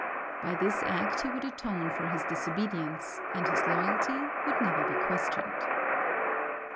By this act he would atone for his disobedience, and his loyalty would never be questioned.